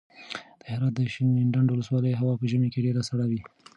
د هرات د شینډنډ ولسوالۍ هوا په ژمي کې ډېره سړه وي.